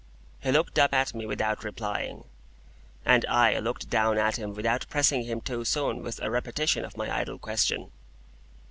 He looked up at me without replying, and I looked down at him without pressing him too soon with a repetition of my idle question.